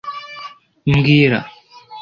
Mbwira